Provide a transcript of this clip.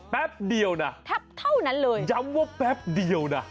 แป๊บเดียวน่ะย้ำว่าแป๊บเดียวน่ะแทบเท่านั้นเลย